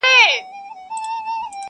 هر بنده، خپله ئې کرونده-